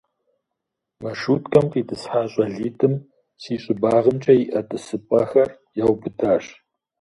Маршруткэм къитӀысхьа щӀалитӀым си щӀыбагъымкӀэ иӀэ тӀысыпӀэхэр яубыдащ.